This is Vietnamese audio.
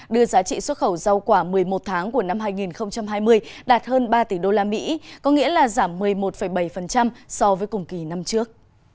đưa giá trị xuất khẩu rau quả một mươi một tháng của năm hai nghìn hai mươi đạt hơn ba tỷ usd có nghĩa là giảm một mươi một bảy so với cùng kỳ năm trước